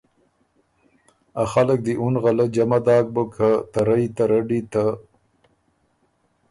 ا خلق دی اُن غَلۀ جمع داک بُک که ته رئ ته رډّی ته